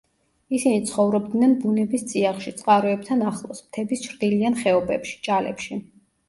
ისინი ცხოვრობდნენ ბუნების წიაღში, წყაროებთან ახლოს მთების ჩრდილიან ხეობებში, ჭალებში.